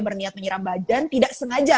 berniat menyiram badan tidak sengaja